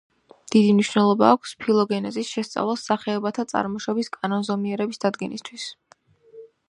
დიდი მნიშვნელობა აქვს ფილოგენეზის შესწავლას სახეობათა წარმოშობის კანონზომიერების დადგენისთვის.